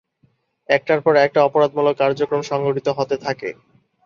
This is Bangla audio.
একটার পর একটা ‘অপরাধমূলক কার্যক্রম’ সংঘটিত হতে থাকে।